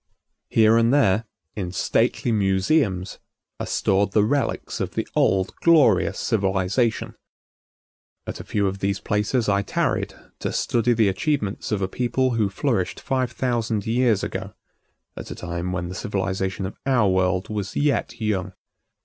Here and there, in stately museums, are stored the relics of the old glorious civilization. At a few of these places I tarried to study the achievements of a people who flourished five thousand years ago, at a time when the civilization of our world was yet young.